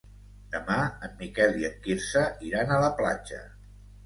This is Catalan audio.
Demà en Miquel i en Quirze iran a la platja.